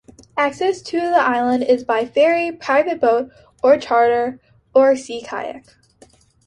Access to the islands is by ferry, private boat or charter or sea kayak.